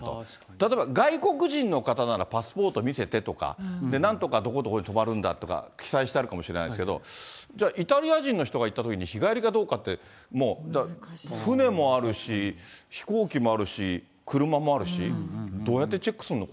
例えば、外国人の方ならパスポート見せてとか、なんとか、どこどこに泊まるんだとか、記載してあるかもしれないですけど、じゃあイタリア人の人が行ったときに、日帰りかどうかって、もう、だから、船もあるし、飛行機もあるし、車もあるし、どうやってチェックするの？